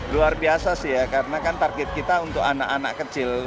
luar biasa sih ya karena kan target kita untuk anak anak kecil